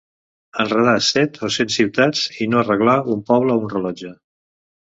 Enredar set o cent ciutats i no arreglar un poble o un rellotge.